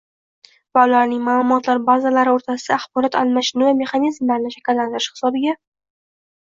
va ularning ma’lumotlar bazalari o‘rtasida axborot almashinuvi mexanizmlarini shakllantirish hisobiga